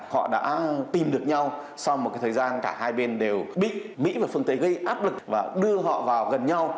họ đã tìm được nhau sau một thời gian cả hai bên đều bị mỹ và phương tây gây áp lực và đưa họ vào gần nhau